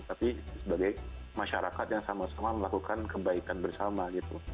tapi sebagai masyarakat yang sama sama melakukan kebaikan bersama gitu